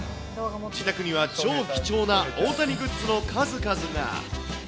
自宅には超貴重な大谷グッズの数々が。